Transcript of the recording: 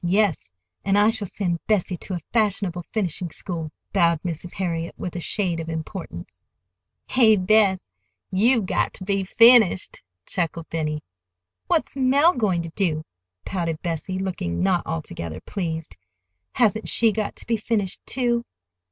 "Yes; and I shall send Bessie to a fashionable finishing school," bowed Mrs. Harriet, with a shade of importance. "Hey, Bess, you've got ter be finished," chuckled Benny. "What's Mell going to do?" pouted Bessie, looking not altogether pleased. "Hasn't she got to be finished, too?"